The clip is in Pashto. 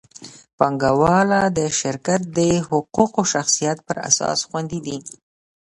پانګهوال د شرکت د حقوقي شخصیت پر اساس خوندي دي.